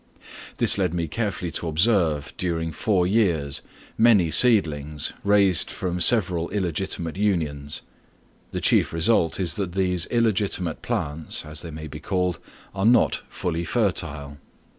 This led me carefully to observe during four years many seedlings, raised from several illegitimate unions. The chief result is that these illegitimate plants, as they may be called, are not fully fertile.